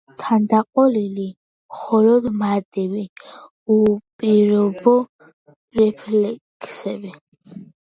თანდაყოლილი მხოლოდ მარტივი, უპირობო რეფლექსები.